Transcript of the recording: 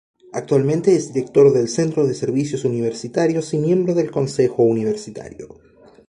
Actualmente es Director del Centro de Servicios Universitarios y miembro del Consejo Universitario.